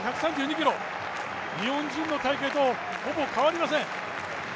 日本人の体形とほぼ変わりません。